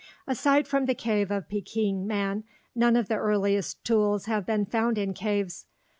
Aside from the cave of Peking man, none of the earliest tools have been found in caves.